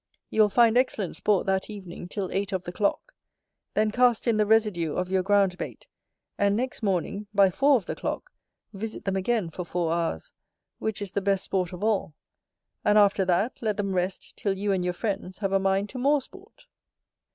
You will find excellent sport that evening, till eight of the clock: then cast in the residue of your ground bait, and next morning, by four of the clock, visit them again for four hours, which is the best sport of all; and after that, let them rest till you and your friends have a mind to more sport.